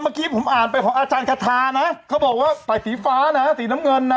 เมื่อกี้ผมอ่านไปของอาจารย์คาทานะเขาบอกว่าใส่สีฟ้านะสีน้ำเงินนะ